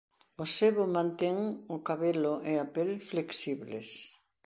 O sebo mantén o cabelo e a pel flexibles.